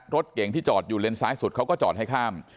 รถเก่งที่จอดอยู่เลนซ้ายสุดเขาก็จอดให้ข้าม